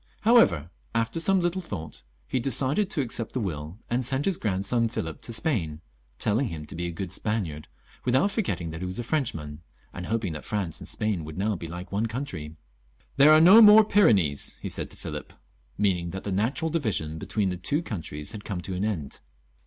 However, after some little thought, he decided to accept the will, and sent his grandson Philip to Spain, telling him to be a good Spaniard, without forgetting that he was a Frenchman, and hoping that France and Spain would now be like one country. " There are no more Pyrenees," he said to Philip, meaning that the natural division between the two countries had come to an end.